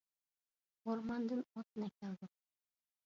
ئورماندىن ئوتۇن ئەكەلدۇق.